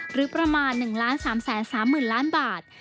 หรือประมาณ๑๓๓๐๐๐ล้านบาท